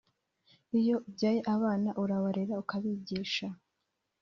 Iyo ubyaye abana urabarera ukabigisha